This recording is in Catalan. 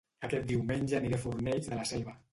Aquest diumenge aniré a Fornells de la Selva